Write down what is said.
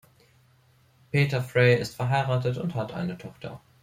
Peter Frey ist verheiratet und hat eine Tochter.